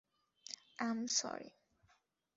আম, sorry.